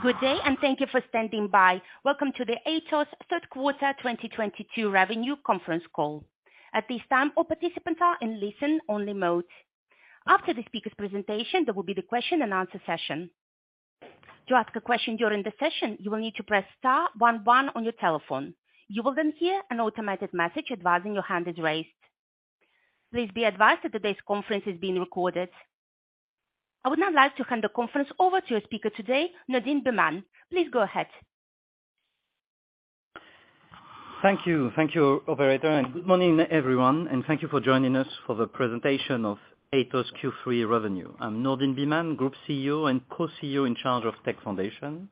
Good day, and thank you for standing by. Welcome to the Atos third quarter 2022 revenue conference call. At this time, all participants are in listen-only mode. After the speaker's presentation, there will be the question and answer session. To ask a question during the session, you will need to press star one one on your telephone. You will then hear an automated message advising your hand is raised. Please be advised that today's conference is being recorded. I would now like to hand the conference over to our speaker today, Nourdine Bihmane. Please go ahead. Thank you. Thank you, operator, and good morning, everyone, and thank you for joining us for the presentation of Atos Q3 revenue. I'm Nourdine Bihmane, Group CEO and Co-CEO in charge of Tech Foundations.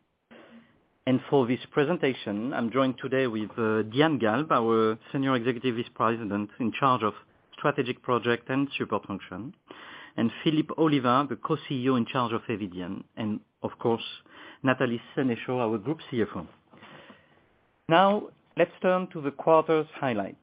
For this presentation, I'm joined today with Diane Galbe, our Senior Executive Vice President in charge of Strategic Project and Support Function, and Philippe Oliva, the Co-CEO in charge of Eviden, and of course, Nathalie Sénéchault, our Group CFO. Now, let's turn to the quarter's highlights.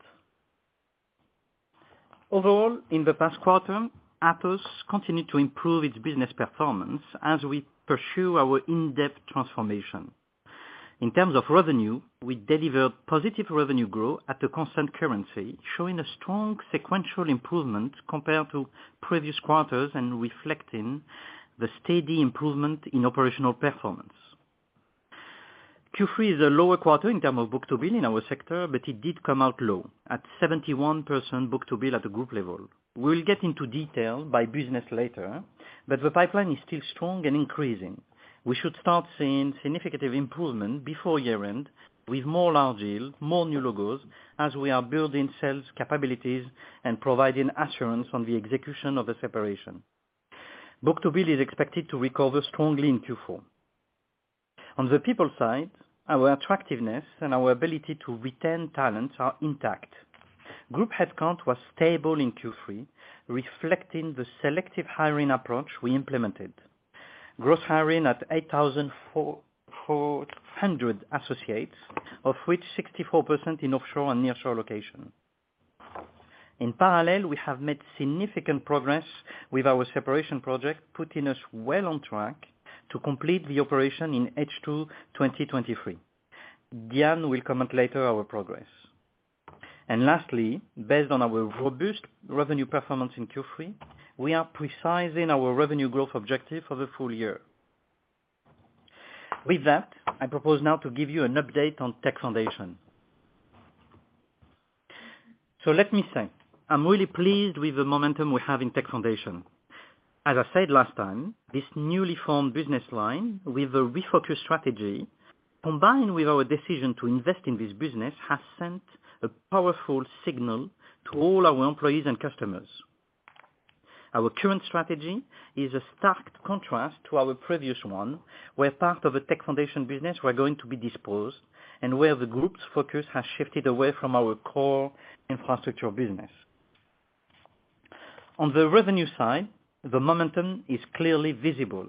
Overall, in the past quarter, Atos continued to improve its business performance as we pursue our in-depth transformation. In terms of revenue, we delivered positive revenue growth at a constant currency, showing a strong sequential improvement compared to previous quarters and reflecting the steady improvement in operational performance. Q3 is a lower quarter in terms of book-to-bill in our sector, but it did come out low at 71% book-to-bill at the group level. We'll get into detail by business later, but the pipeline is still strong and increasing. We should start seeing significant improvement before year-end with more large deals, more new logos, as we are building sales capabilities and providing assurance on the execution of the separation. Book-to-bill is expected to recover strongly in Q4. On the people side, our attractiveness and our ability to retain talents are intact. Group headcount was stable in Q3, reflecting the selective hiring approach we implemented. Gross hiring at 8,400 associates, of which 64% in offshore and nearshore location. In parallel, we have made significant progress with our separation project, putting us well on track to complete the operation in H2 2023. Diane will comment later our progress. Lastly, based on our robust revenue performance in Q3, we are [pre-sizing] our revenue growth objective for the full year. With that, I propose now to give you an update on Tech Foundations. Let me say, I'm really pleased with the momentum we have in Tech Foundations. As I said last time, this newly formed business line with a refocused strategy, combined with our decision to invest in this business, has sent a powerful signal to all our employees and customers. Our current strategy is a stark contrast to our previous one, where part of the Tech Foundations business were going to be disposed and where the group's focus has shifted away from our core infrastructure business. On the revenue side, the momentum is clearly visible.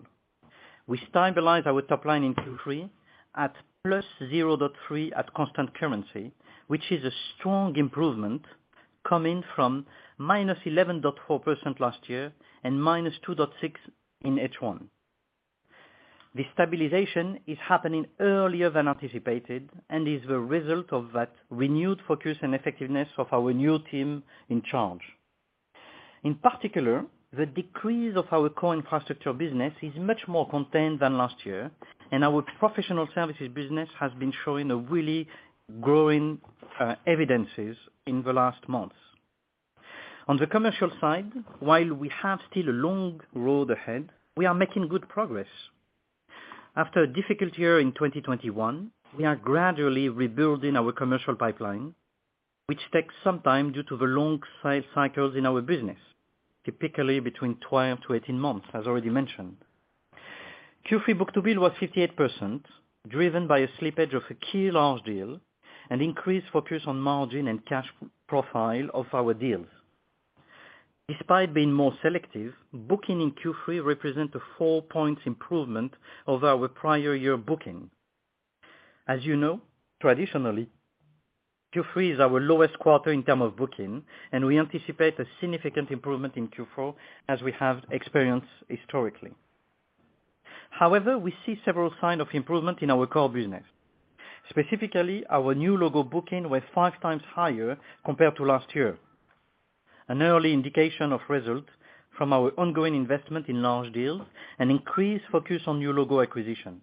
We stabilize our top line in Q3 at +0.3% at constant currency, which is a strong improvement coming from -11.4% last year and -2.6% in H1. The stabilization is happening earlier than anticipated and is the result of that renewed focus and effectiveness of our new team in charge. In particular, the decrease of our core infrastructure business is much more contained than last year, and our professional services business has been showing a really growing evidences in the last months. On the commercial side, while we have still a long road ahead, we are making good progress. After a difficult year in 2021, we are gradually rebuilding our commercial pipeline, which takes some time due to the long sales cycles in our business, typically between 12 to 18 months, as already mentioned. Q3 book-to-bill was 58%, driven by a slippage of a key large deal and increased focus on margin and cash profile of our deals. Despite being more selective, booking in Q3 represent a 4 points improvement over our prior year booking. As you know, traditionally, Q3 is our lowest quarter in terms of booking, and we anticipate a significant improvement in Q4 as we have experienced historically. However, we see several signs of improvement in our core business. Specifically, our new logo booking was 5x higher compared to last year, an early indication of results from our ongoing investment in large deals and increased focus on new logo acquisition.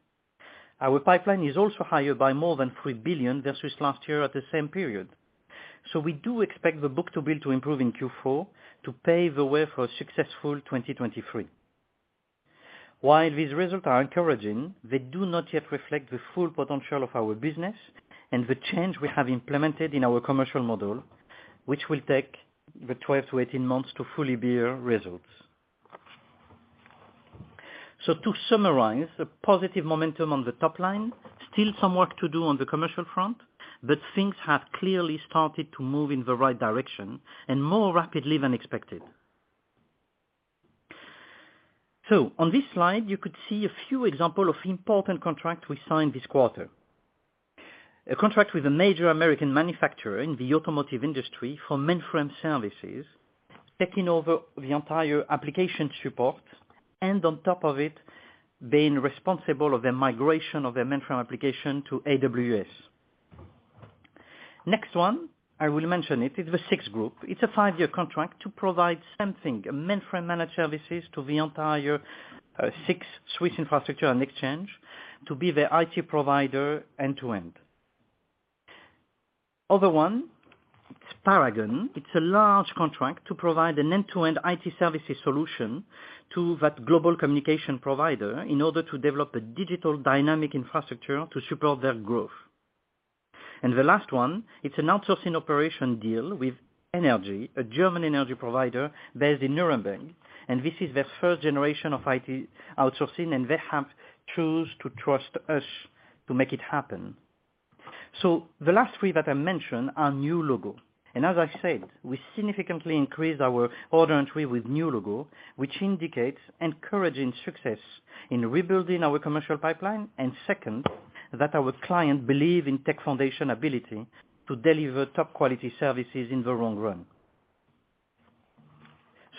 Our pipeline is also higher by more than 3 billion versus last year at the same period. We do expect the book-to-bill to improve in Q4 to pave the way for a successful 2023. While these results are encouraging, they do not yet reflect the full potential of our business and the change we have implemented in our commercial model, which will take 12 to 18 months to fully bear results. To summarize, a positive momentum on the top line, still some work to do on the commercial front, but things have clearly started to move in the right direction and more rapidly than expected. On this slide, you could see a few examples of important contracts we signed this quarter. A contract with a major American manufacturer in the automotive industry for mainframe services, taking over the entire application support, and on top of it, being responsible of the migration of their mainframe application to AWS. Next one, I will mention it, is the SIX Group. It's a five-year contract to provide same thing, a mainframe managed services to the entire, SIX Swiss infrastructure and exchange to be the IT provider end to end. Other one, Paragon. It's a large contract to provide an end-to-end IT services solution to that global communication provider in order to develop a digital dynamic infrastructure to support their growth. The last one, it's an outsourcing operation deal with N-ERGIE, a German energy provider based in Nuremberg, and this is their first generation of IT outsourcing, and they have choose to trust us to make it happen. The last three that I mentioned are new logo. As I said, we significantly increased our order entry with new logo, which indicates encouraging success in rebuilding our commercial pipeline. Second, that our client believe in Tech Foundations ability to deliver top quality services in the long run.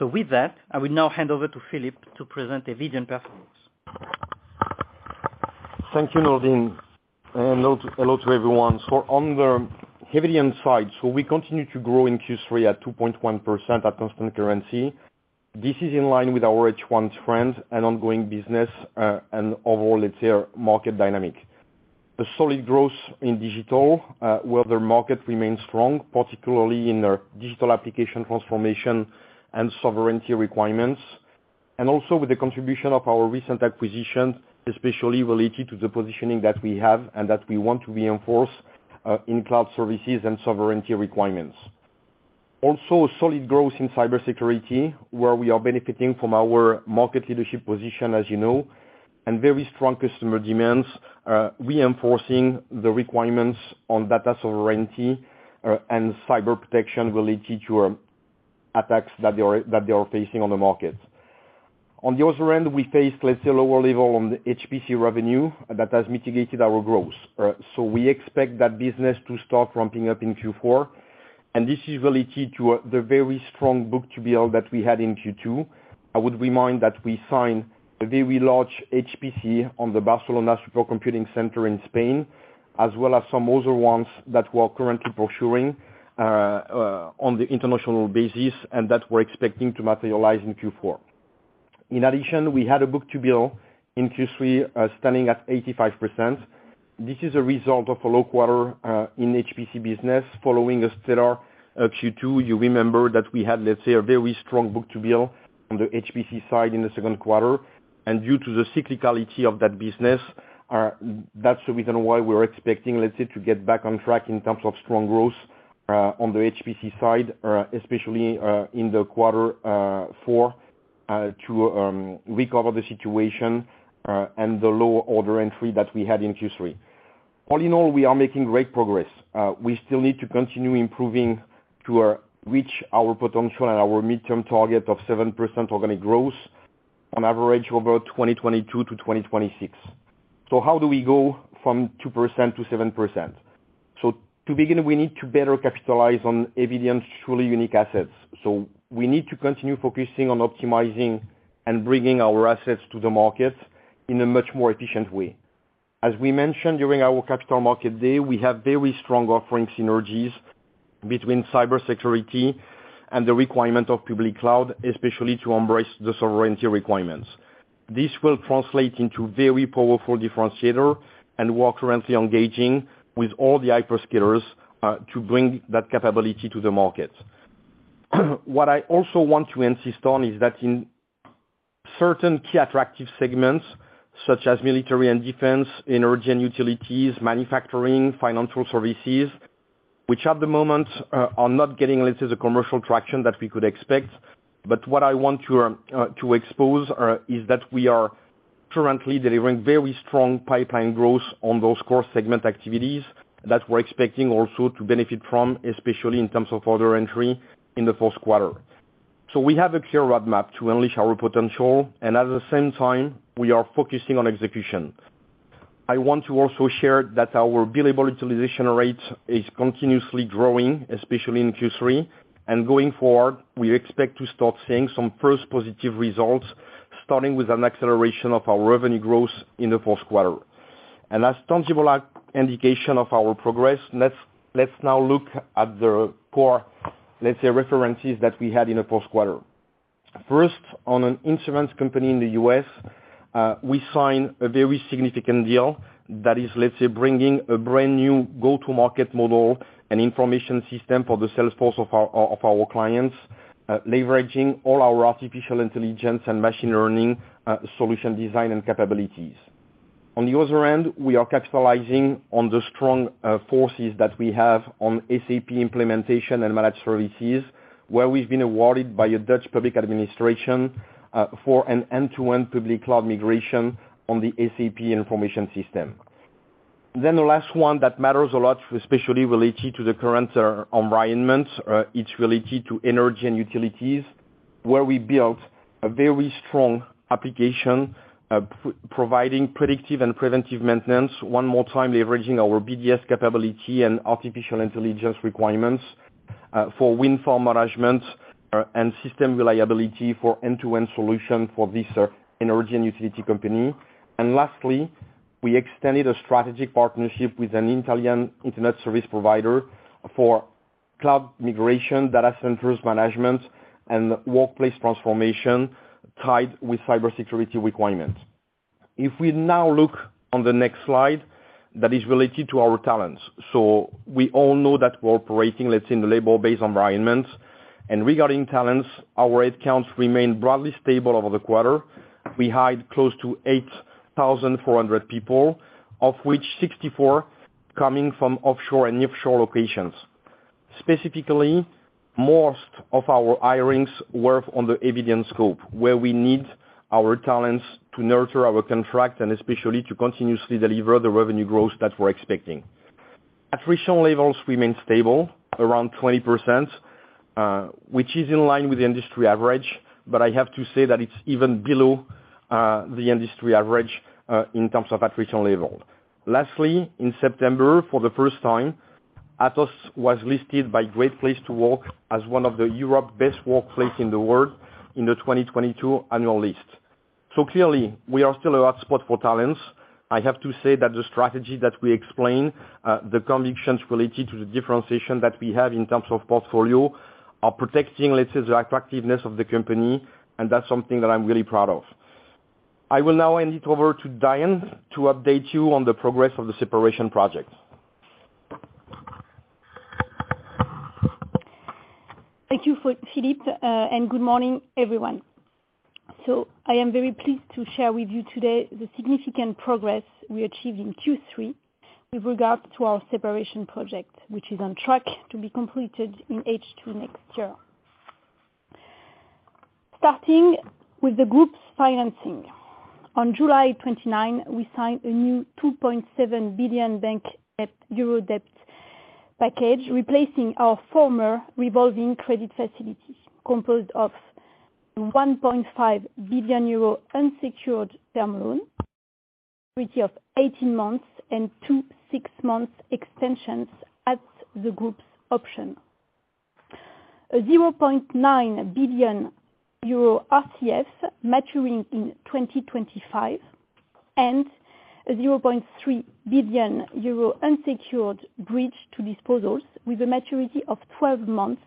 With that, I will now hand over to Philippe to present Eviden performance. Thank you, Nourdine, and hello to everyone. On the Eviden side, we continue to grow in Q3 at 2.1% at constant currency. This is in line with our H1 trend and ongoing business, and overall, let's say, our market dynamic. The solid growth in digital, where the market remains strong, particularly in our digital application transformation and sovereignty requirements, and also with the contribution of our recent acquisitions, especially related to the positioning that we have and that we want to reinforce, in cloud services and sovereignty requirements. Also, solid growth in cybersecurity, where we are benefiting from our market leadership position, as you know, and very strong customer demands, reinforcing the requirements on data sovereignty, and cyber protection related to attacks that they are facing on the market. On the other end, we face, let's say, a lower level on the HPC revenue that has mitigated our growth. We expect that business to start ramping up in Q4, and this is related to the very strong book-to-bill that we had in Q2. I would remind that we signed a very large HPC on the Barcelona Supercomputing Center in Spain, as well as some other ones that we're currently procuring on the international basis and that we're expecting to materialize in Q4. In addition, we had a book-to-bill in Q3 standing at 85%. This is a result of a low quarter in HPC business following a stellar Q2. You remember that we had, let's say, a very strong book-to-bill on the HPC side in the second quarter, and due to the cyclicality of that business, that's the reason why we're expecting, let's say, to get back on track in terms of strong growth on the HPC side, especially in quarter four to recover the situation, and the lower order entry that we had in Q3. All in all, we are making great progress. We still need to continue improving to reach our potential and our midterm target of 7% organic growth on average over 2022 to 2026. How do we go from 2% to 7%? To begin, we need to better capitalize on Eviden's truly unique assets. We need to continue focusing on optimizing and bringing our assets to the market in a much more efficient way. As we mentioned during our Capital Markets Day, we have very strong offering synergies between cybersecurity and the requirement of public cloud, especially to embrace the sovereignty requirements. This will translate into very powerful differentiator and we're currently engaging with all the hyperscalers to bring that capability to the market. What I also want to insist on is that in certain key attractive segments, such as military and defense, energy and utilities, manufacturing, financial services, which at the moment are not getting, let's say, the commercial traction that we could expect. What I want to expose is that we are currently delivering very strong pipeline growth on those core segment activities that we're expecting also to benefit from, especially in terms of order entry in the fourth quarter. We have a clear roadmap to unleash our potential, and at the same time, we are focusing on execution. I want to also share that our billable utilization rate is continuously growing, especially in Q3. Going forward, we expect to start seeing some first positive results, starting with an acceleration of our revenue growth in the fourth quarter. As tangible an indication of our progress, let's now look at the core, let's say, references that we had in the fourth quarter. First, on an insurance company in the U.S., we signed a very significant deal that is, let's say, bringing a brand-new go-to-market model and information system for the salesforce of our clients, leveraging all our artificial intelligence and machine learning solution design and capabilities. On the other end, we are capitalizing on the strong forces that we have on SAP implementation and managed services, where we've been awarded by a Dutch public administration for an end-to-end public cloud migration on the SAP information system. The last one that matters a lot, especially related to the current environment, it's related to energy and utilities, where we built a very strong application providing predictive and preventive maintenance. One more time, leveraging our BDS capability and artificial intelligence requirements, for wind farm management, and system reliability for end-to-end solution for this, energy and utility company. Lastly, we extended a strategic partnership with an Italian internet service provider for cloud migration, data centers management, and workplace transformation tied with cybersecurity requirement. If we now look on the next slide that is related to our talents. We all know that we're operating, let's say, in the labor-based environment. Regarding talents, our headcounts remain broadly stable over the quarter. We hired close to 8,400 people, of which 64% coming from offshore and nearshore locations. Specifically, most of our hirings were on the Eviden end scope, where we need our talents to nurture our contract and especially to continuously deliver the revenue growth that we're expecting. At recent levels, we remain stable, around 20%, which is in line with the industry average, but I have to say that it's even below the industry average in terms of attrition level. Lastly, in September, for the first time, Atos was listed by Great Place to Work as one of Europe's best workplaces in the world in the 2022 annual list. Clearly, we are still a hotspot for talent. I have to say that the strategy that we explain the convictions related to the differentiation that we have in terms of portfolio are protecting, let's say, the attractiveness of the company, and that's something that I'm really proud of. I will now hand it over to Diane to update you on the progress of the separation project. Thank you, Philippe, and good morning, everyone. I am very pleased to share with you today the significant progress we achieved in Q3 with regards to our separation project, which is on track to be completed in H2 next year. Starting with the group's financing. On July 29, we signed a new 2.7 billion bank euro debt package, replacing our former revolving credit facility composed of a 1.5 billion euro unsecured term loan with a maturity of 18 months and two six-month extensions at the group's option, a 0.9 billion euro RCF maturing in 2025 and a 0.3 billion euro unsecured bridge to disposals with a maturity of 12 months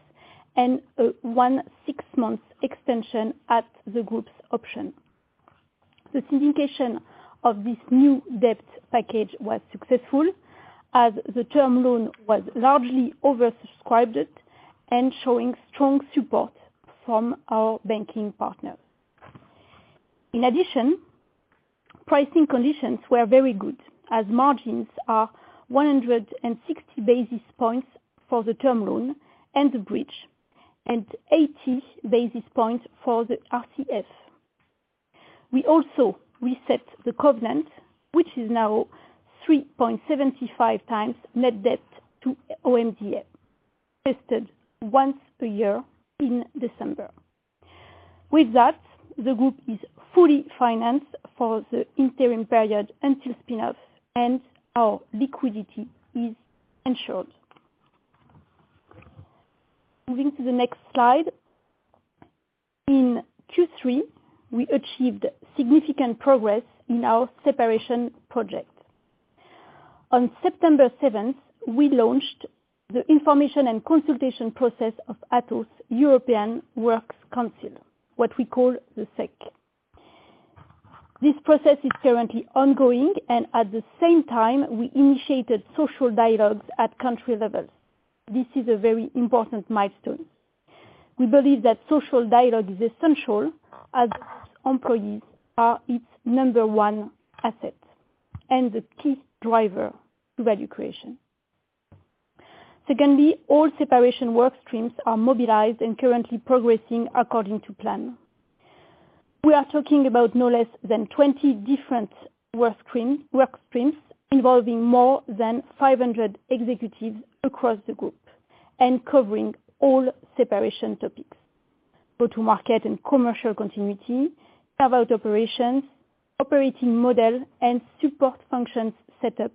and a one six-month extension at the group's option. The syndication of this new debt package was successful as the term loan was largely oversubscribed and showing strong support from our banking partner. In addition, pricing conditions were very good, as margins are 160 basis points for the term loan and the bridge, and 80 basis points for the RCF. We also reset the covenant, which is now 3.75x net debt to OMDA, tested once a year in December. With that, the group is fully financed for the interim period until spin-off and our liquidity is ensured. Moving to the next slide. In Q3, we achieved significant progress in our separation project. On September 7th, we launched the information and consultation process of Atos European Works Council, what we call the SEWC. This process is currently ongoing, and at the same time, we initiated social dialogues at country levels. This is a very important milestone. We believe that social dialogue is essential as employees are its number one asset and the key driver to value creation. Secondly, all separation work streams are mobilized and currently progressing according to plan. We are talking about no less than 20 different work streams involving more than 500 executives across the group and covering all separation topics, go-to-market and commercial continuity, cloud operations, operating model, and support functions set up,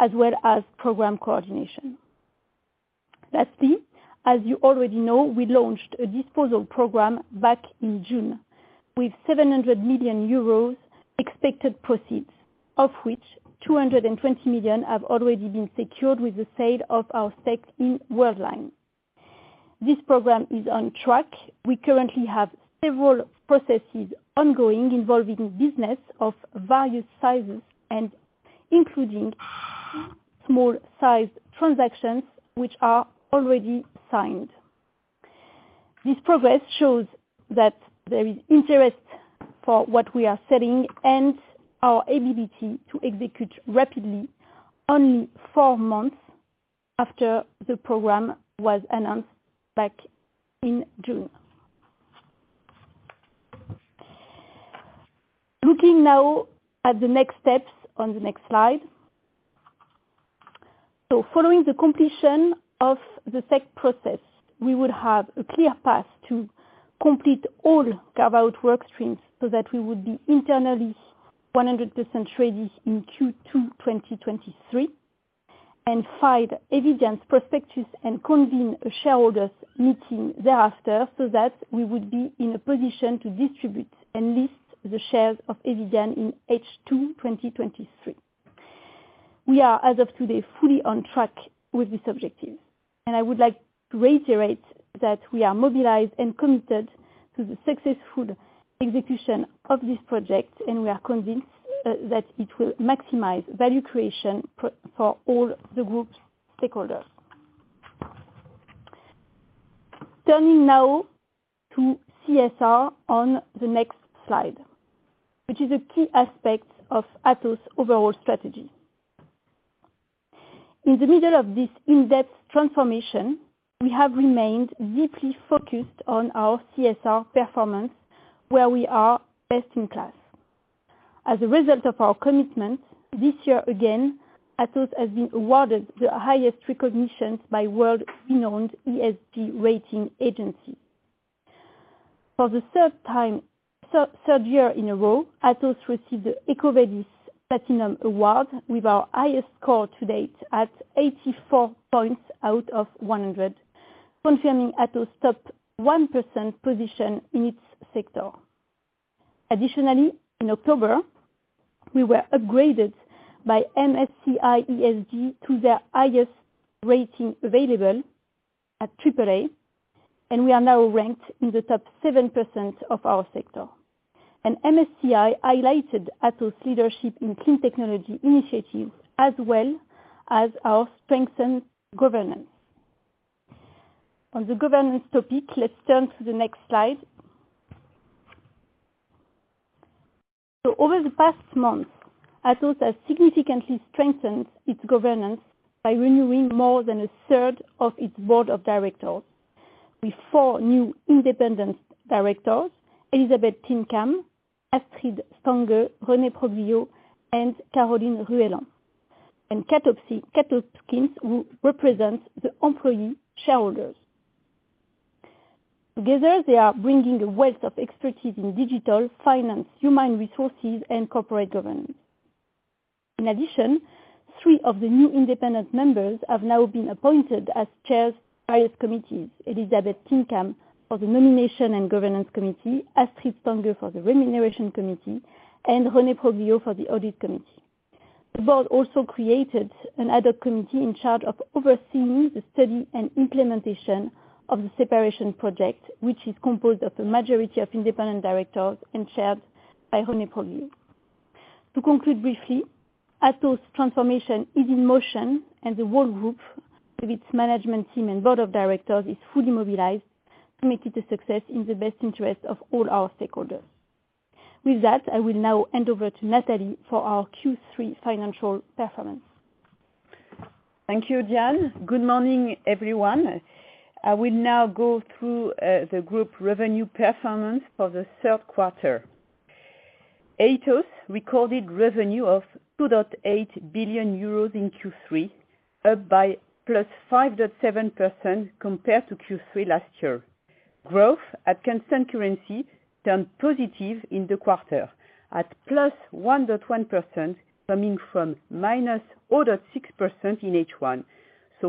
as well as program coordination. Lastly, as you already know, we launched a disposal program back in June with 700 million euros expected proceeds, of which 220 million have already been secured with the sale of our stake in Worldline. This program is on track. We currently have several processes ongoing involving business of various sizes and including small-sized transactions which are already signed. This progress shows that there is interest for what we are selling and our ability to execute rapidly only four months after the program was announced back in June. Looking now at the next steps on the next slide. Following the completion of the tech process, we would have a clear path to complete all carve-out work streams so that we would be internally 100% ready in Q2 2023, and file Eviden prospectus and convene a shareholders meeting thereafter, so that we would be in a position to distribute and list the shares of Eviden in H2 2023. We are, as of today, fully on track with this objective, and I would like to reiterate that we are mobilized and committed to the successful execution of this project, and we are convinced that it will maximize value creation for all the group's stakeholders. Turning now to CSR on the next slide, which is a key aspect of Atos' overall strategy. In the middle of this in-depth transformation, we have remained deeply focused on our CSR performance, where we are best in class. As a result of our commitment, this year again, Atos has been awarded the highest recognition by world-renowned ESG rating agency. For the third time, third year in a row, Atos received the EcoVadis Platinum Award with our highest score to date at 84 points out of 100, confirming Atos' top 1% position in its sector. Additionally, in October, we were upgraded by MSCI ESG to their highest rating available at AAA, and we are now ranked in the top 7% of our sector. MSCI highlighted Atos leadership in clean technology initiatives as well as our strengthened governance. On the governance topic, let's turn to the next slide. Over the past month, Atos has significantly strengthened its governance by renewing more than a third of its board of directors with four new independent directors, Elizabeth Tinkham, Astrid Stange, René Proglio, and Caroline Ruellan, and Kat Hopkins, who represents the employee shareholders. Together, they are bringing a wealth of expertise in digital, finance, human resources, and corporate governance. In addition, three of the new independent members have now been appointed as chairs of various committees. Elizabeth Tinkham for the Nomination and Governance Committee, Astrid Stange for the Remuneration Committee, and René Proglio for the Audit Committee. The board also created an ad hoc committee in charge of overseeing the study and implementation of the separation project, which is composed of a majority of independent directors and chaired by René Proglio. To conclude briefly, Atos transformation is in motion and the whole group with its management team and board of directors is fully mobilized, committed to success in the best interest of all our stakeholders. With that, I will now hand over to Nathalie for our Q3 financial performance. Thank you, Diane. Good morning, everyone. I will now go through the group revenue performance for the third quarter. Atos recorded revenue of 2.8 billion euros in Q3, up by +5.7% compared to Q3 last year. Growth at constant currency turned positive in the quarter at +1.1% coming from -0.6% in H1.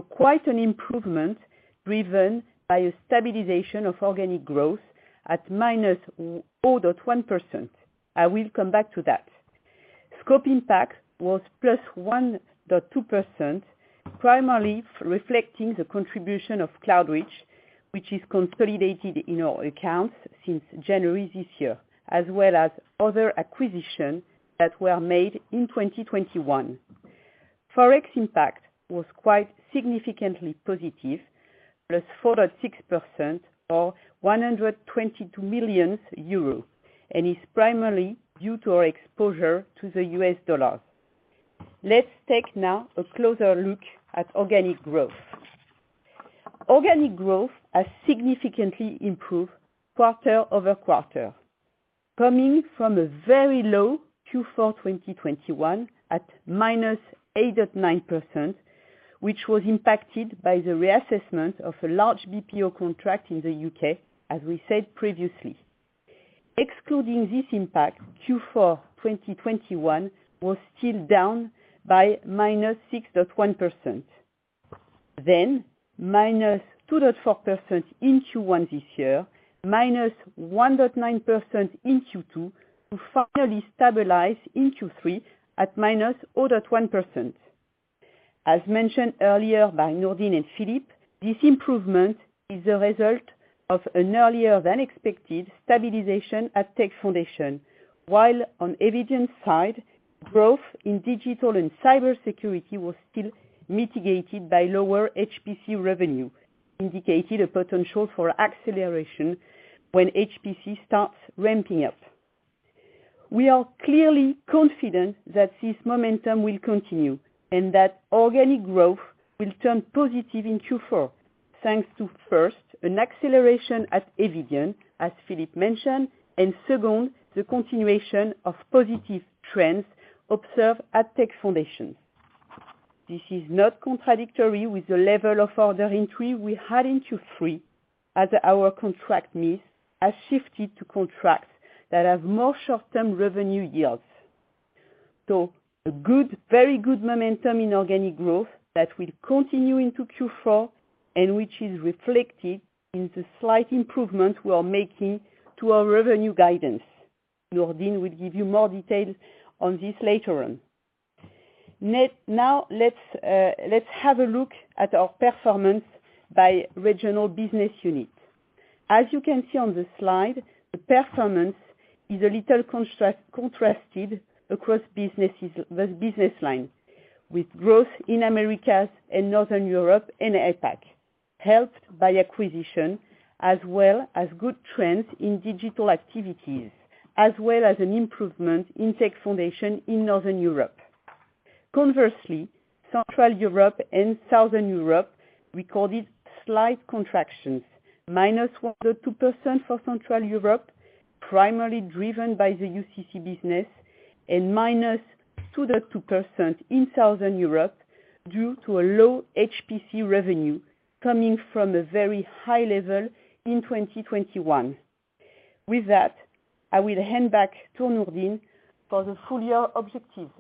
Quite an improvement driven by a stabilization of organic growth at -0.1%. I will come back to that. Scope impact was +1.2%, primarily reflecting the contribution of Cloudreach, which is consolidated in our accounts since January this year. As well as other acquisition that were made in 2021. Forex impact was quite significantly positive, +4.6% or 122 million euros, and is primarily due to our exposure to the U.S. dollar. Let's take now a closer look at organic growth. Organic growth has significantly improved quarter-over-quarter, coming from a very low Q4 2021 at -8.9%, which was impacted by the reassessment of a large BPO contract in the U.K., as we said previously. Excluding this impact, Q4 2021 was still down by -6.1%. Then, -2.4% in Q1 this year, -1.9% in Q2, to finally stabilize in Q3 at -0.1%. As mentioned earlier by Nourdine and Philippe, this improvement is a result of an earlier than expected stabilization at Tech Foundations. While on Eviden side, growth in digital and cybersecurity was still mitigated by lower HPC revenue, indicated a potential for acceleration when HPC starts ramping up. We are clearly confident that this momentum will continue and that organic growth will turn positive in Q4, thanks to first, an acceleration at Eviden, as Philippe mentioned, and second, the continuation of positive trends observed at Tech Foundations. This is not contradictory with the level of order entry we had in Q3 as our contract needs has shifted to contracts that have more short-term revenue yields. A good, very good momentum in organic growth that will continue into Q4 and which is reflected in the slight improvement we are making to our revenue guidance. Nourdine will give you more details on this later on. Now let's have a look at our performance by regional business unit. As you can see on the slide, the performance is a little contrasted across the business lines, with growth in Americas and Northern Europe and APAC, helped by acquisition as well as good trends in digital activities, as well as an improvement in Tech Foundations in Northern Europe. Conversely, Central Europe and Southern Europe recorded slight contractions, -1.2% for Central Europe, primarily driven by the UCC business, and -2.2% in Southern Europe due to a low HPC revenue coming from a very high level in 2021. With that, I will hand back to Nourdine for the full year objectives.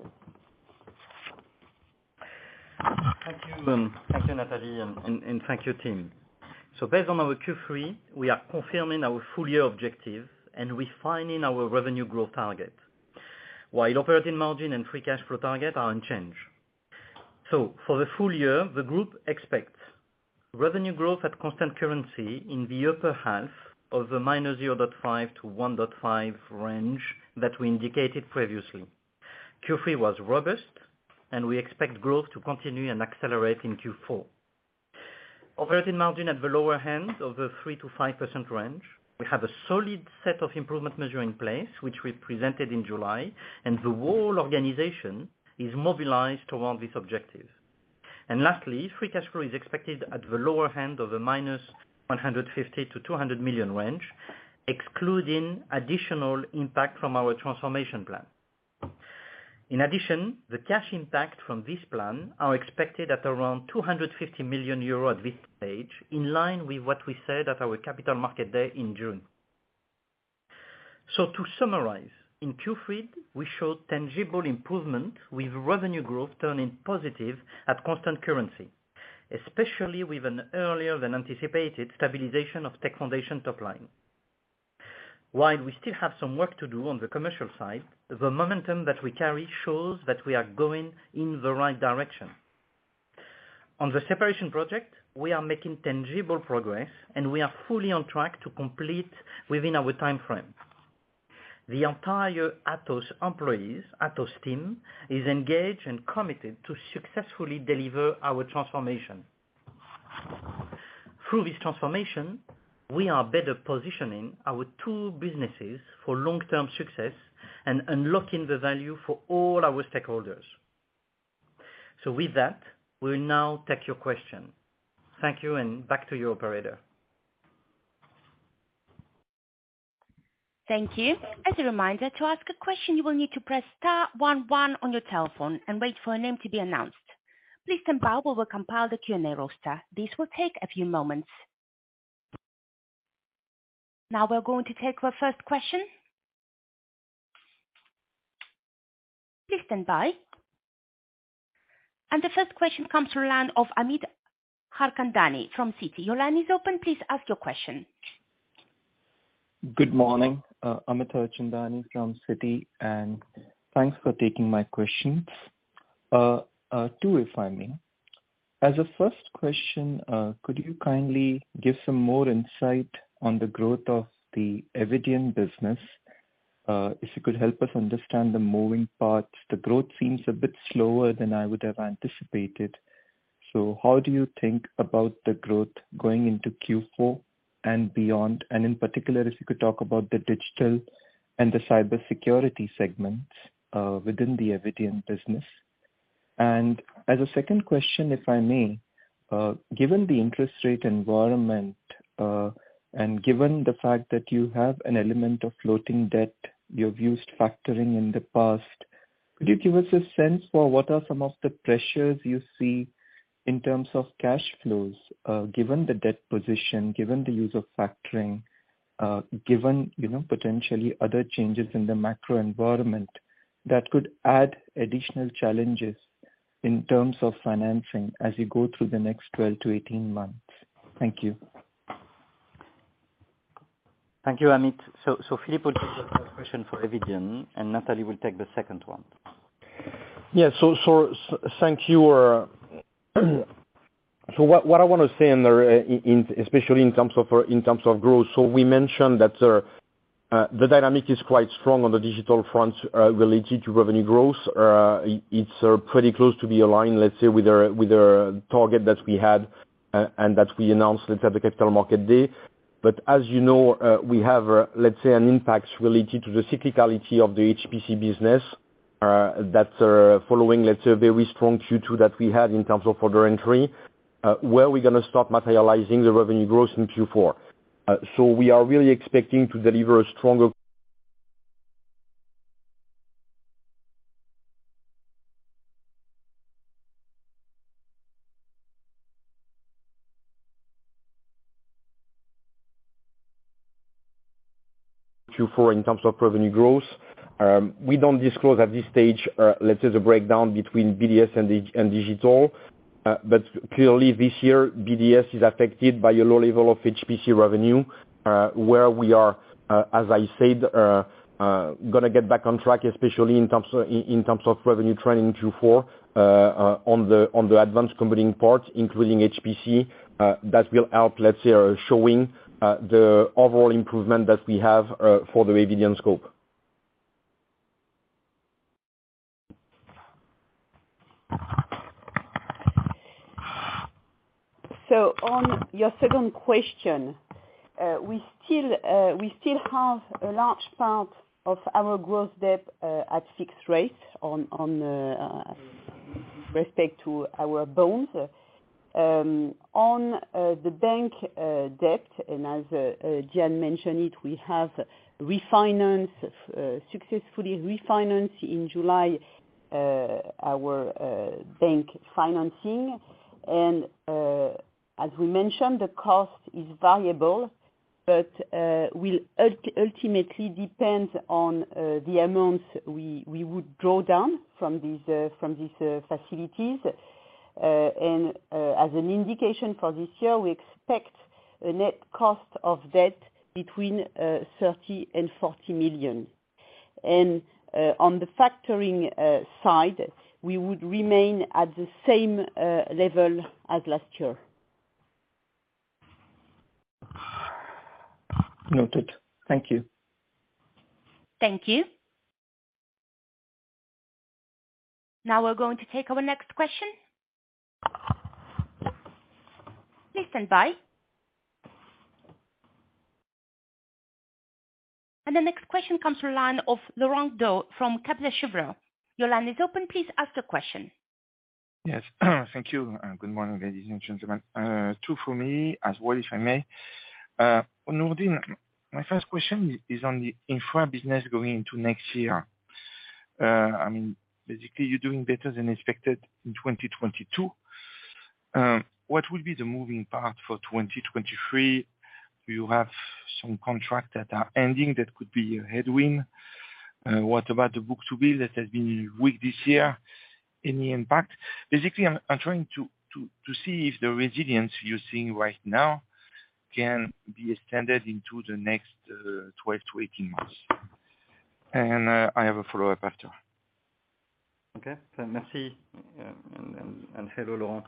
Thank you. Thank you, Nathalie, and thank you, team. Based on our Q3, we are confirming our full year objective and refining our revenue growth target. While operating margin and free cash flow target are unchanged. For the full year, the group expects revenue growth at constant currency in the upper half of the -0.5% to 1.5% range that we indicated previously. Q3 was robust and we expect growth to continue and accelerate in Q4. Operating margin at the lower end of the 3%-5% range. We have a solid set of improvement measures in place which we presented in July, and the whole organization is mobilized around this objective. Lastly, free cash flow is expected at the lower end of the -150 million to 200 million range, excluding additional impact from our transformation plan. In addition, the cash impact from this plan are expected at around 250 million euros at this stage, in line with what we said at our Capital Markets Day in June. To summarize, in Q3, we showed tangible improvement with revenue growth turning positive at constant currency, especially with an earlier than anticipated stabilization of Tech Foundations top line. While we still have some work to do on the commercial side, the momentum that we carry shows that we are going in the right direction. On the separation project, we are making tangible progress, and we are fully on track to complete within our timeframe. The entire Atos employees, Atos team is engaged and committed to successfully deliver our transformation. Through this transformation, we are better positioning our two businesses for long-term success and unlocking the value for all our stakeholders. With that, we'll now take your question. Thank you, and back to you, operator. Thank you. As a reminder, to ask a question, you will need to press star one one on your telephone and wait for a name to be announced. Please stand by while we compile the Q&A roster. This will take a few moments. Now we're going to take the first question. Please stand by. The first question comes from the line of Amit Harchandani from Citi. Your line is open. Please ask your question. Good morning. Amit Harchandani from Citi, and thanks for taking my questions. Two if I may. As a first question, could you kindly give some more insight on the growth of the Eviden business? If you could help us understand the moving parts. The growth seems a bit slower than I would have anticipated. How do you think about the growth going into Q4 and beyond, and in particular, if you could talk about the digital and the cybersecurity segments within the Eviden business? As a second question, if I may, given the interest rate environment, and given the fact that you have an element of floating debt, you've used factoring in the past, could you give us a sense for what are some of the pressures you see in terms of cash flows, given the debt position, given the use of factoring, given, you know, potentially other changes in the macro environment that could add additional challenges in terms of financing as you go through the next 12 to 18 months? Thank you. Thank you, Amit. Philippe will take the first question for Eviden, and Nathalie will take the second one. Thank you. What I wanna say in there, especially in terms of growth. We mentioned that the dynamic is quite strong on the digital front related to revenue growth. It's pretty close to the line, let's say, with our target that we had and that we announced at the Capital Markets Day. As you know, we have, let's say, an impact related to the cyclicality of the HPC business. That's following, let's say, a very strong Q2 that we had in terms of order entry, where we're gonna start materializing the revenue growth in Q4. We are really expecting to deliver a stronger Q4 in terms of revenue growth. We don't disclose at this stage, let's say the breakdown between BDS and Digital. Clearly this year BDS is affected by a low level of HPC revenue, where we are, as I said, gonna get back on track, especially in terms of revenue trending in Q4, on the advanced computing part, including HPC, that will help, let's say, showing the overall improvement that we have for the Eviden scope. On your second question, we still have a large part of our gross debt at fixed rate with respect to our bonds. On the bank debt, and as Diane mentioned it, we have successfully refinanced in July our bank financing. As we mentioned, the cost is variable, but will ultimately depend on the amounts we would draw down from these facilities. As an indication for this year, we expect a net cost of debt between 30 million and 40 million. On the factoring side, we would remain at the same level as last year. Noted. Thank you. Thank you. Now we're going to take our next question. Please stand by. The next question comes from the line of Laurent Daure from Kepler Cheuvreux. Your line is open. Please ask your question. Yes. Thank you. Good morning, ladies and gentlemen. Two for me as well, if I may. Nourdine, my first question is on the infra business going into next year. I mean, basically, you're doing better than expected in 2022. What will be the moving part for 2023? Do you have some contracts that are ending that could be a headwind? What about the book-to-bill that has been weak this year? Any impact? Basically, I'm trying to see if the resilience you're seeing right now can be extended into the next 12 to 18 months. I have a follow-up after. Okay. Merci, and hello, Laurent.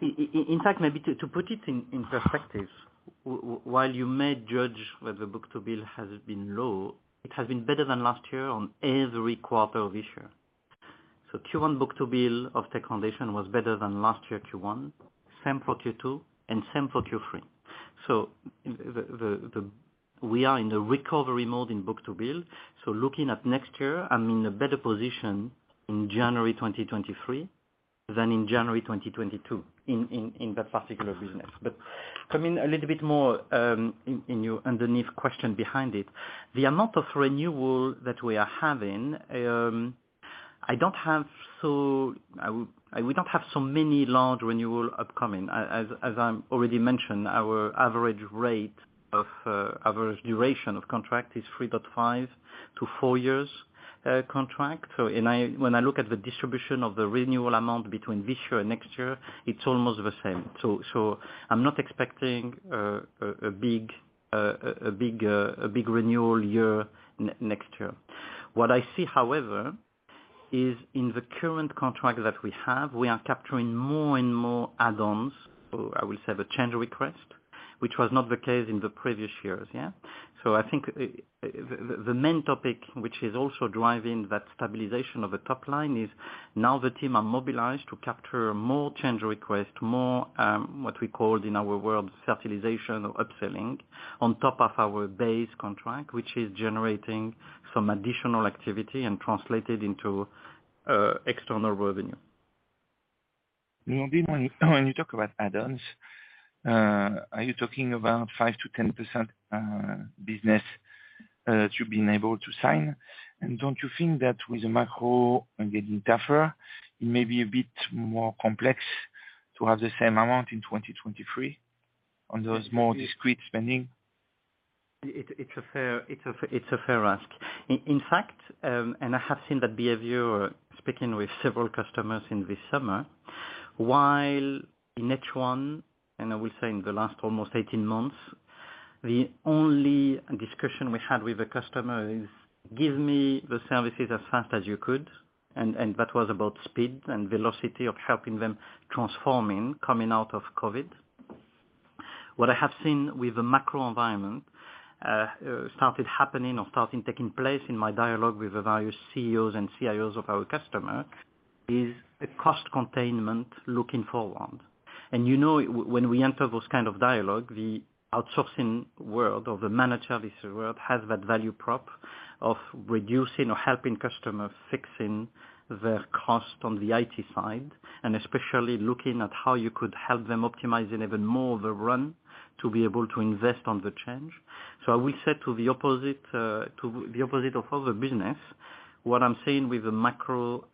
In fact, maybe to put it in perspective, while you may judge that the book-to-bill has been low, it has been better than last year on every quarter of this year. Q1 book-to-bill of Tech Foundations was better than last year Q1, same for Q2 and same for Q3. We are in the recovery mode in book-to-bill. Looking at next year, I'm in a better position in January 2023 than in January 2022 in that particular business. Coming a little bit more in your underlying question behind it. The amount of renewal that we are having, I would not have so many large renewals upcoming. As I already mentioned, our average duration of contract is 3.5 to 4 years. When I look at the distribution of the renewal amount between this year and next year, it's almost the same. I'm not expecting a big renewal year next year. What I see, however, is in the current contract that we have, we are capturing more and more add-ons, or I will say the change request, which was not the case in the previous years. Yeah? I think the main topic, which is also driving that stabilization of the top line, is now the team are mobilized to capture more change request, more, what we call in our world fertilization or upselling on top of our base contract, which is generating some additional activity and translated into external revenue. Nourdine, when you talk about add-ons, are you talking about 5%-10% business to being able to sign? Don't you think that with the macro getting tougher, it may be a bit more complex to have the same amount in 2023 on those more discretionary spending? It's a fair ask. In fact, I have seen that behavior speaking with several customers in this summer. While in H1, I will say in the last almost 18 months, the only discussion we had with the customer is, "Give me the services as fast as you could." That was about speed and velocity of helping them transforming, coming out of COVID. What I have seen with the macro environment started happening or starting taking place in my dialogue with the various CEOs and CIOs of our customers is the cost containment looking forward. You know, when we enter those kind of dialogue, the outsourcing world or the managed services world has that value prop of reducing or helping customers fixing their cost on the IT side, and especially looking at how you could help them optimizing even more the run to be able to invest on the change. I will say to the opposite of other business, what I'm seeing with the macro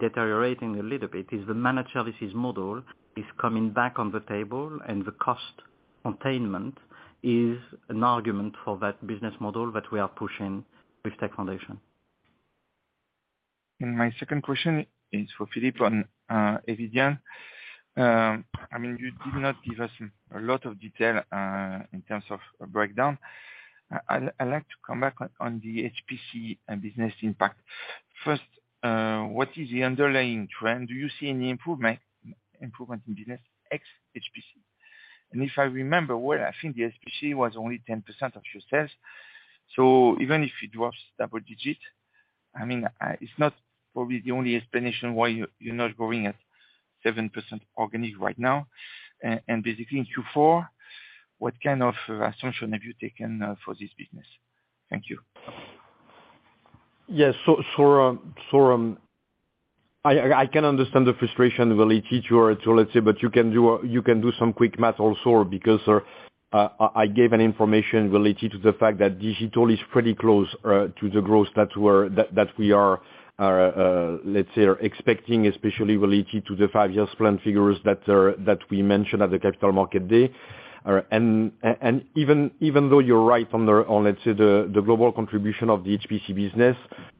deteriorating a little bit is the managed services model is coming back on the table, and the cost containment is an argument for that business model that we are pushing with Tech Foundations. My second question is for Philippe on Eviden. I mean, you did not give us a lot of detail in terms of breakdown. I'd like to come back on the HPC and business impact. First, what is the underlying trend? Do you see any improvement in business ex HPC? If I remember, well, I think the HPC was only 10% of your sales. So even if it was double digit, I mean, it's not probably the only explanation why you're not growing at 7% organic right now. Basically in Q4, what kind of assumption have you taken for this business? Thank you. Yes. I can understand the frustration related to our trajectory, but you can do some quick math also because I gave an information related to the fact that digital is pretty close to the growth that we are, let's say, expecting, especially related to the five-year plan figures that we mentioned at the Capital Markets Day. Even though you're right on, let's say, the global contribution of the HPC business,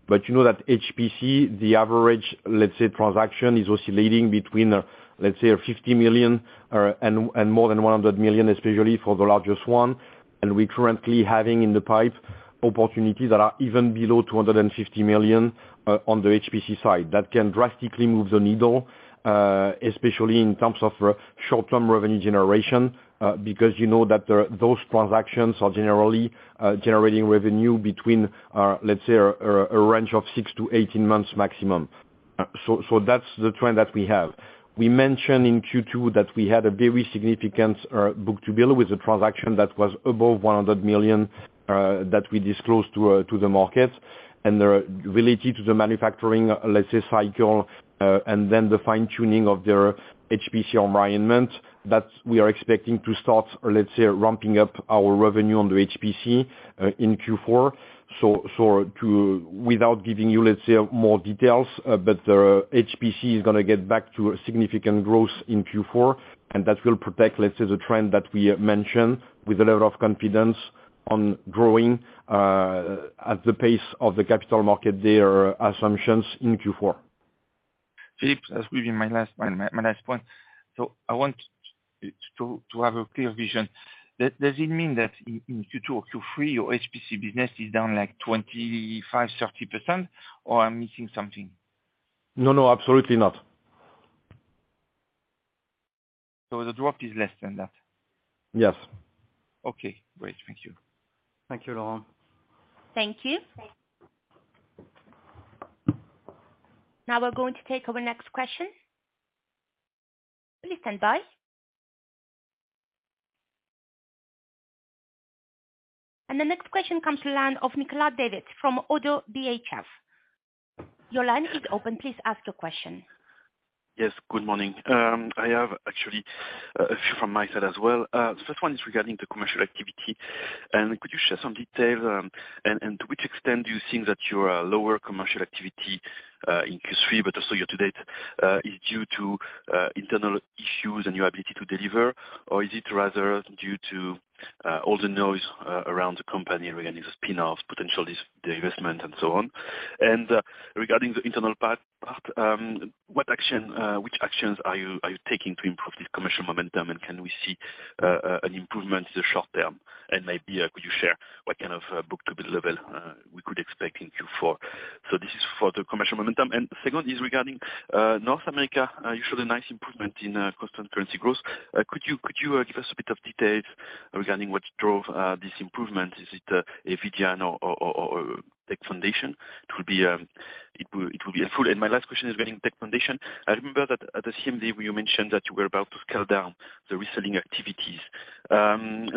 but you know that HPC, the average, let's say, transaction is oscillating between, let's say 50 million and more than 100 million, especially for the largest one. We're currently having in the pipeline opportunities that are even below 250 million on the HPC side. That can drastically move the needle, especially in terms of short-term revenue generation, because you know that those transactions are generally generating revenue between, let's say a range of 6 to 18 months maximum. So that's the trend that we have. We mentioned in Q2 that we had a very significant book-to-bill with the transaction that was above 100 million that we disclosed to the market. They're related to the manufacturing, let's say cycle, and then the fine-tuning of their HPC environment, that we are expecting to start, let's say, ramping up our revenue on the HPC in Q4. So to Without giving you, let's say more details, but the HPC is gonna get back to a significant growth in Q4, and that will protect, let's say, the trend that we mentioned with a level of confidence on growing at the pace of the capital markets' assumptions in Q4. Philippe, that will be my last one, my last point. I want to have a clear vision. Does it mean that in Q2 or Q3, your HPC business is down like 25%-30%, or I'm missing something? No, no, absolutely not. The drop is less than that? Yes. Okay, great. Thank you. Thank you, Laurent. Thank you. Now we're going to take our next question. Please stand by. The next question comes from the line of Nicolas David from ODDO BHF. Your line is open. Please ask your question. Yes, good morning. I have actually a few from my side as well. First one is regarding the commercial activity. Could you share some details, and to which extent do you think that your lower commercial activity in Q3, but also year to date, is due to internal issues and your ability to deliver, or is it rather due to all the noise around the company regarding the spin-offs, potential disinvestment and so on? Regarding the internal part, what actions are you taking to improve this commercial momentum, and can we see an improvement in the short term? Maybe, could you share what kind of book-to-bill level we could expect in Q4? This is for the commercial momentum. Second is regarding North America. You showed a nice improvement in constant currency growth. Could you give us a bit of details regarding what drove this improvement? Is it Eviden or Tech Foundations? It will be helpful. My last question is regarding Tech Foundations. I remember that at the CMD, you mentioned that you were about to scale down the reselling activities.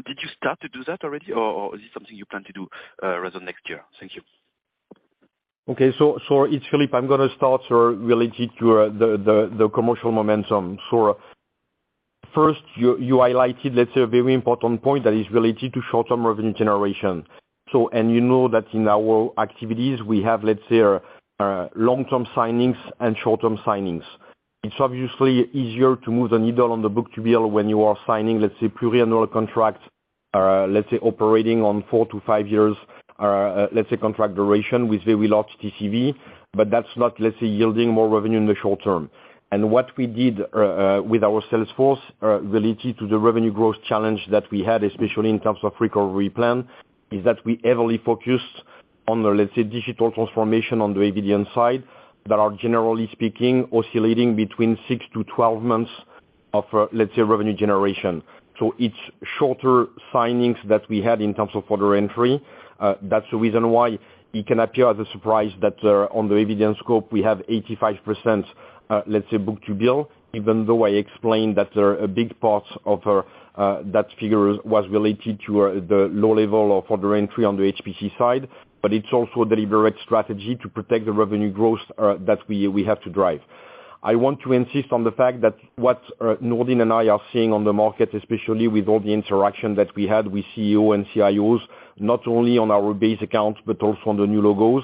Did you start to do that already, or is it something you plan to do rather next year? Thank you. Okay. It's Philippe. I'm gonna start related to the commercial momentum. First you highlighted, let's say, a very important point that is related to short-term revenue generation. You know that in our activities, we have, let's say, long-term signings and short-term signings. It's obviously easier to move the needle on the book to bill when you are signing, let's say, pluriannual contracts, let's say, operating on 4 to 5 years, let's say, contract duration with very large TCV, but that's not, let's say, yielding more revenue in the short term. What we did with our sales force related to the revenue growth challenge that we had, especially in terms of recovery plan, is that we heavily focused on, let's say, digital transformation on the Eviden side that are generally speaking, oscillating between 6 to 12 months of, let's say, revenue generation. It's shorter signings that we had in terms of order entry. That's the reason why it can appear as a surprise that on the Eviden scope, we have 85%, let's say, book-to-bill, even though I explained that a big part of that figure was related to the low level of order entry on the HPC side. It's also deliberate strategy to protect the revenue growth that we have to drive. I want to insist on the fact that what Nordine and I are seeing on the market, especially with all the interaction that we had with CEOs and CIOs, not only on our base accounts but also on the new logos,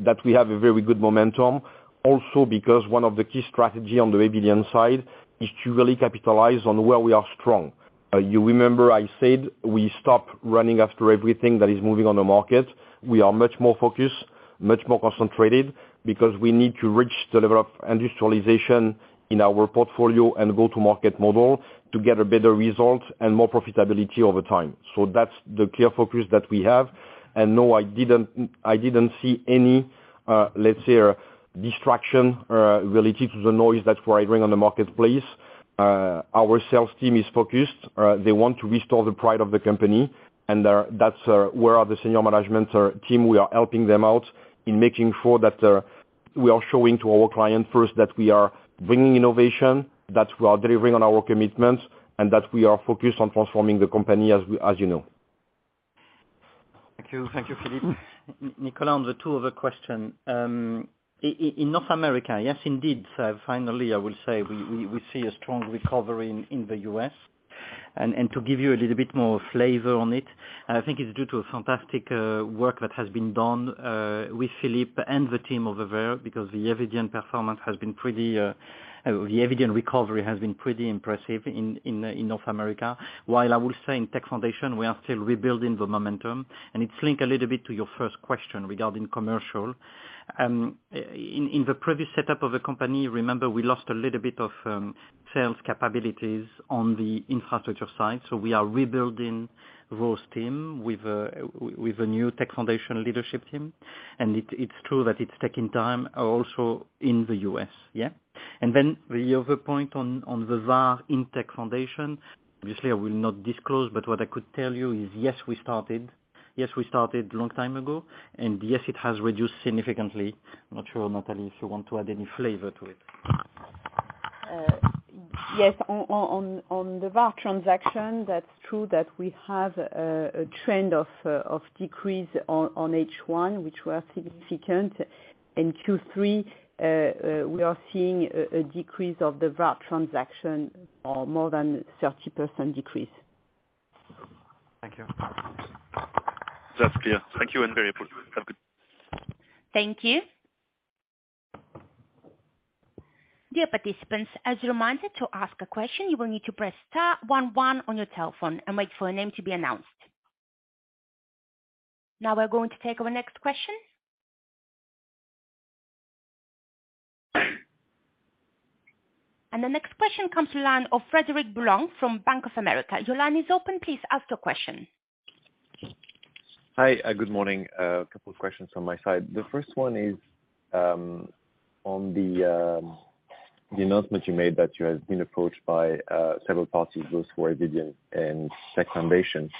that we have a very good momentum. Also, because one of the key strategy on the Eviden side is to really capitalize on where we are strong. You remember I said we stop running after everything that is moving on the market. We are much more focused, much more concentrated, because we need to reach the level of industrialization in our portfolio and go-to-market model to get a better result and more profitability over time. So that's the clear focus that we have. No, I didn't see any, let's say, distraction related to the noise that's prevailing on the marketplace. Our sales team is focused. They want to restore the pride of the company, and that's where the senior management team, we are helping them out in making sure that we are showing to our client first that we are bringing innovation, that we are delivering on our commitments, and that we are focused on transforming the company as we, as you know. Thank you. Thank you, Philippe. Nicolas, on the two other question. In North America, yes, indeed. Finally, I will say we see a strong recovery in the U.S.. To give you a little bit more flavor on it, I think it's due to a fantastic work that has been done with Philippe and the team over there, because the Eviden recovery has been pretty impressive in North America. While I will say in Tech Foundations, we are still rebuilding the momentum, and it's linked a little bit to your first question regarding commercial. In the previous setup of the company, remember, we lost a little bit of sales capabilities on the infrastructure side. We are rebuilding those team with the new Tech Foundations leadership team. It's true that it's taking time also in the U.S.. Yeah. Then the other point on the VAR in Tech Foundations, obviously I will not disclose, but what I could tell you is, yes, we started long time ago. Yes, it has reduced significantly. I'm not sure, Nathalie, if you want to add any flavor to it. Yes. On the VAR transaction, that's true that we have a trend of decrease on H1, which were significant. In Q3, we are seeing a decrease of the VAR transaction of more than 30% decrease. Thank you. That's clear. Thank you, and very important. Sounds good. Thank you. Dear participants, as a reminder, to ask a question, you will need to press star one one on your telephone and wait for a name to be announced. Now we're going to take our next question. The next question comes from the line of Frédéric Boulan from Bank of America. Your line is open. Please ask your question. Hi. Good morning. A couple of questions from my side. The first one is on the announcement you made that you have been approached by several parties, both for Eviden and Tech Foundations.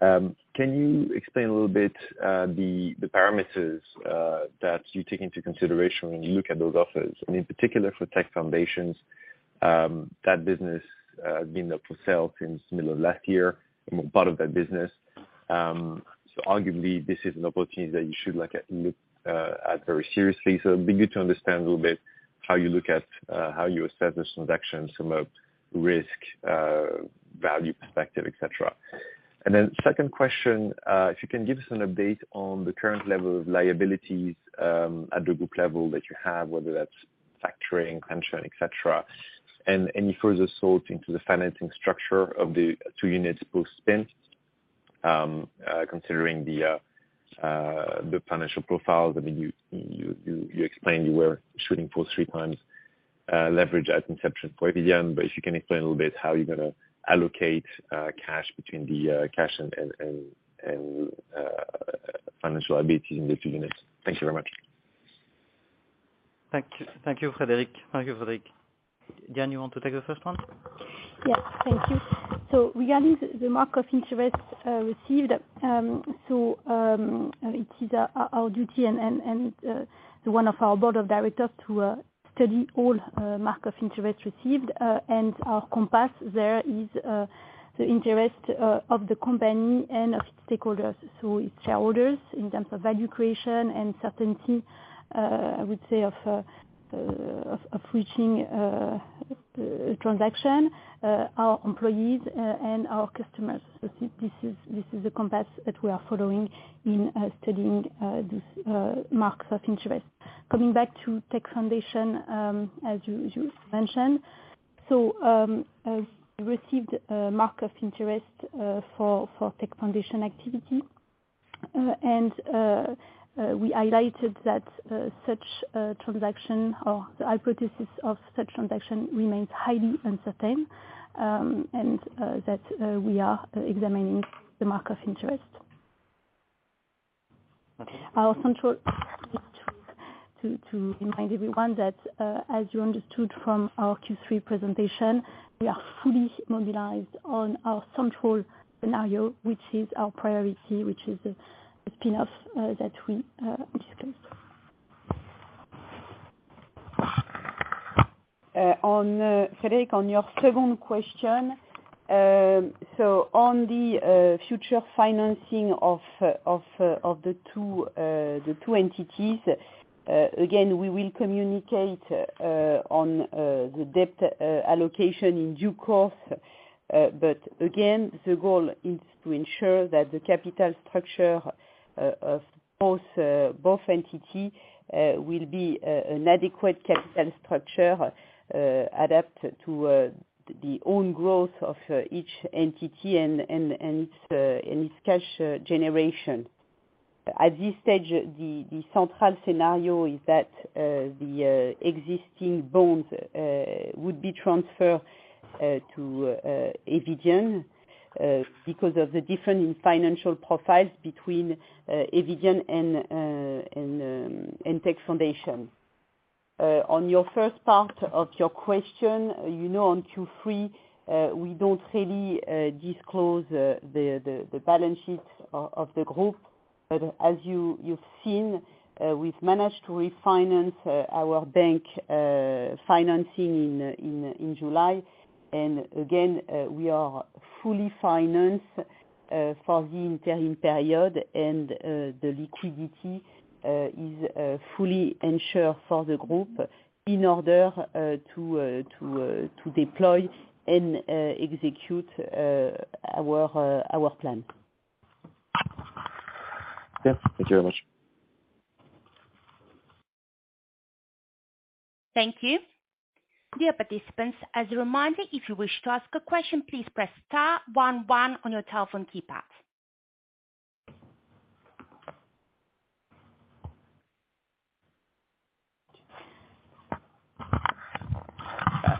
Can you explain a little bit the parameters that you take into consideration when you look at those offers? And in particular for Tech Foundations, that business been up for sale since middle of last year, part of that business. So arguably, this is an opportunity that you should like look at very seriously. So it'd be good to understand a little bit how you look at how you assess this transaction from a risk value perspective, et cetera. Second question, if you can give us an update on the current level of liabilities, at the group level that you have, whether that's factoring, pension, et cetera. Any further thought into the financing structure of the two units post-spin, the financial profiles. I mean, you explained you were shooting for 3x leverage at inception for Eviden, but if you can explain a little bit how you're gonna allocate cash between the cash and financial liabilities in the two units. Thank you very much. Thank you, Frédéric. Diane, you want to take the first one? Yes. Thank you. Regarding the manifestation of interest received, it is our duty and the one of our Board of Directors to study all mark of interest received. Our compass there is the interest of the company and of its stakeholders. Its shareholders in terms of value creation and certainty of reaching transaction, our employees, and our customers. This is the compass that we are following in studying this marks of interest. Coming back to Tech Foundations, as you mentioned. Received a mark of interest for Tech Foundations activity. We highlighted that such transaction or the hypothesis of such transaction remains highly uncertain, and that we are examining the markets of interest. It's central to remind everyone that, as you understood from our Q3 presentation, we are fully mobilized on our central scenario, which is our priority, which is the spin-off that we discussed. Frédéric, on your second question. On the future financing of the two entities, again, we will communicate on the debt allocation in due course. But again, the goal is to ensure that the capital structure of both entities will be an adequate capital structure adapted to their own growth of each entity and its cash generation. At this stage, the central scenario is that the existing bonds would be transferred to Eviden because of the difference in financial profiles between Eviden and Tech Foundations. On your first part of your question, you know, on Q3, we don't really disclose the balance sheet of the group. As you've seen, we've managed to refinance our bank financing in July. We are fully financed for the interim period and the liquidity is fully ensured for the group in order to deploy and execute our plan. Yeah. Thank you very much. Thank you. Dear participants, as a reminder, if you wish to ask a question, please press star one one on your telephone keypad.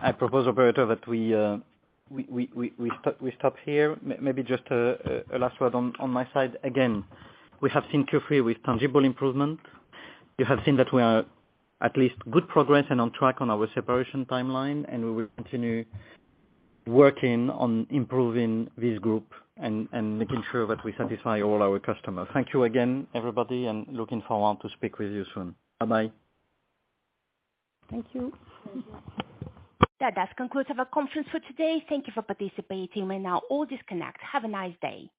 I propose, operator, that we stop here. Maybe just a last word on my side. Again, we have seen Q3 with tangible improvement. You have seen that we are at least good progress and on track on our separation timeline, and we will continue working on improving this group and making sure that we satisfy all our customers. Thank you again, everybody, and looking forward to speak with you soon. Bye-bye. Thank you. Thank you. That does conclude our conference for today. Thank you for participating. You may now all disconnect. Have a nice day.